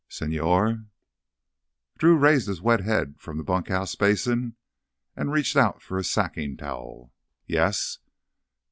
"Señor—?" Drew raised his wet head from the bunkhouse basin and reached out for a sacking towel. "Yes?"